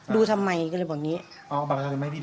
ดูทำไมก็เลยบอกนี้อ๋อเอาบัตรประชาชนไม่ให้พี่ดู